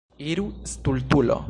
Iru, stultulo!